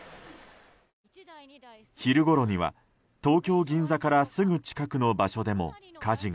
昼ごろには東京・銀座からすぐ近くの場所でも火事が。